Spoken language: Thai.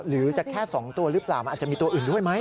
หรือจะแค่๒ตัวหรือเปล่ามันอาจจะมีตัวอื่นด้วยไหม